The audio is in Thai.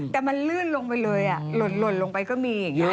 แต่มันลื่นลงไปเลยหล่นลงไปก็มีอย่างนี้